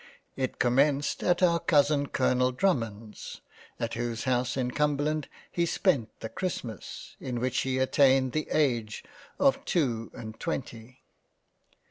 It commenced at our cousin Colonel Drummond's ; at whose house in Cumberland he spent the Christmas, in which he attained the age of two and 54 £ LESLEY CASTLE £ twenty.